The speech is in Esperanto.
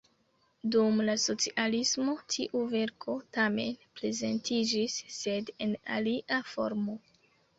Dum la socialismo tiu verko tamen prezentiĝis, sed en alia formo.